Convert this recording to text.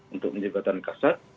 untuk menyebutkan kasat